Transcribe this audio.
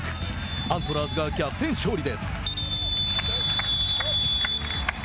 アントラーズが逆転勝利です。